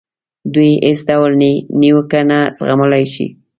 دوی هېڅ ډول نیوکه نه زغملای شي.